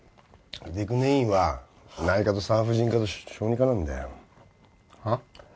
出久根医院は内科と産婦人科と小児科なんだよはッ？